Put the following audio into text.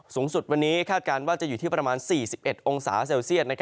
สูงสุดวันนี้คาดการณ์ว่าจะอยู่ที่ประมาณ๔๑องศาเซลเซียต